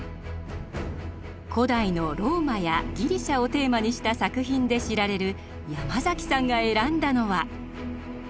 古代のローマやギリシャをテーマにした作品で知られるヤマザキさんが選んだのは？